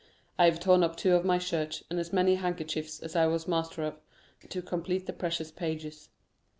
I have torn up two of my shirts, and as many handkerchiefs as I was master of, to complete the precious pages.